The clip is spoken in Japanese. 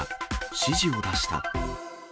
指示を出した。